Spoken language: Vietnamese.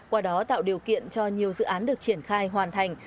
qua đó tạo điều kiện cho nhiều dự án được triển khai hoàn thành